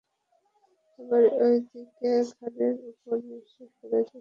আবার, এদিকে ঘাড়ের ওপর নিশ্বাস ফেলছে সুলতানের দ্বিতীয় দফা শুটিংয়ের তাগিদ।